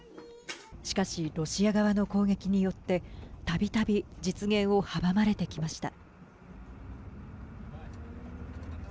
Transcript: しかし、ロシア側の攻撃によってたびたび実現を阻まれてきました。